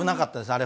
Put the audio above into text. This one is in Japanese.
あれ